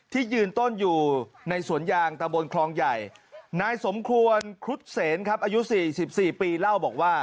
ที่ยืนต้นอยู่ในสวนยางตะบนคลองใหญ่นายสมควรครุฑเสนครับอายุ๔๔ปีเล่าบอกว่า